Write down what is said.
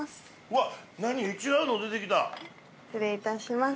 失礼いたします。